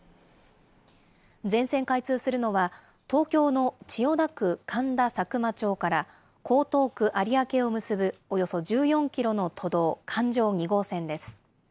全線開通するのは、東京の千代田区神田佐久間町から、江東区有明を結ぶおよそ１４キロの都道、環状２号線です。